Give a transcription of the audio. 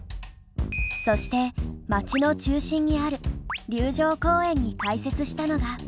そして街の中心にある龍城公園に開設したのが。